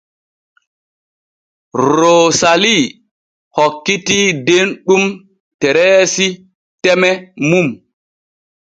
Roosali hokkitii Denɗum Tereesi teme mum.